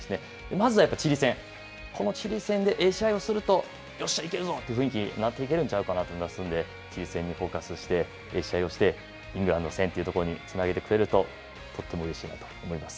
まずはやっぱりチリ戦、このチリ戦でええ試合をすると、よっしゃー、いけるぞっていう雰囲気になっていけるんちゃうかなと思いますんで、チリ戦にフォーカスしていい試合をして、イングランド戦というところにつなげてくれるととってもうれしいなと思います。